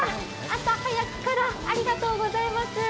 朝早くからありがとうございます。